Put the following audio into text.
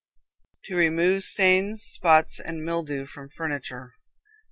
To Remove Stains, Spots, and Mildew from Furniture.